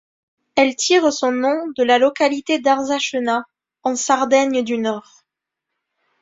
Elle tire son nom de la localité d'Arzachena, en Sardaigne du Nord.